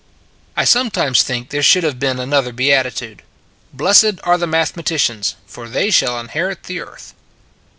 I sometimes think there should have been another Beatitude: Blessed are the mathematicians, for they shall inherit the earth.